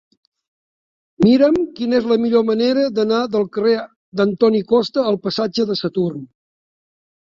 Mira'm quina és la millor manera d'anar del carrer d'Antoni Costa al passatge de Saturn.